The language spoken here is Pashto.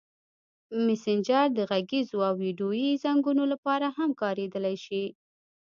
مسېنجر د غږیزو او ویډیويي زنګونو لپاره هم کارېدلی شي.